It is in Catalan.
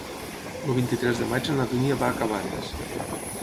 El vint-i-tres de maig na Dúnia va a Cabanes.